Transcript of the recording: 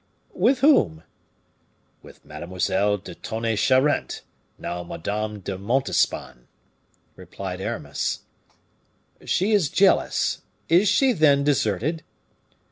"With whom?" "With Mademoiselle de Tonnay Charente, now Madame de Montespan," replied Aramis. "She is jealous. Is she then deserted?"